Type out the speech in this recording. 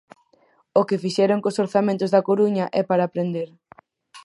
O que fixeron cos orzamentos da Coruña é para aprender.